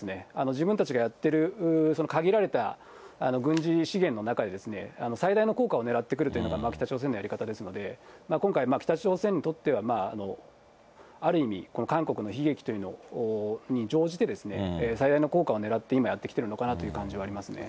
自分たちがやってる限られた軍事資源の中で、最大の効果を狙ってくるというのが北朝鮮のやり方ですので、今回、北朝鮮にとってはある意味、韓国の悲劇というのに乗じて、最大の効果をねらって今、やってきてるのかなという感じはありますね。